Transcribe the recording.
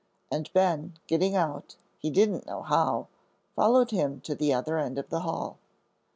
And Ben, getting out, he didn't know how, followed him to the other end of the hall.